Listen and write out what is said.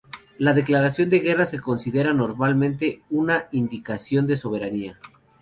La declaración de guerra se considera normalmente una indicación de soberanía.